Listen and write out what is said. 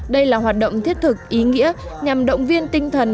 đây là hoạt động thiết thực ý nghĩa nhằm động viên tinh thần